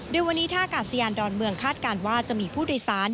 โดยวันนี้ท่ากาศยานดอนเมืองคาดการณ์ว่าจะมีผู้โดยสาร